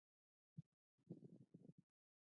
دوی په چټک او غوره ډول کار ترسره کوي